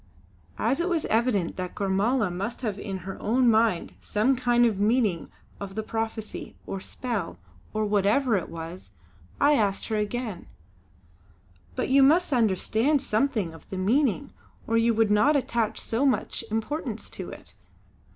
As it was evident that Gormala must have in her own mind some kind of meaning of the prophecy, or spell, or whatever it was, I asked her again: "But you must understand something of the meaning, or you would not attach so much importance to it?"